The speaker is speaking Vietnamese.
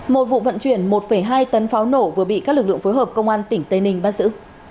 một vụ vận chuyển một hai tấn pháo nổ vừa bị các lực lượng phối hợp công an tỉnh tây ninh bắt giữ